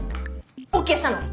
ＯＫしたの？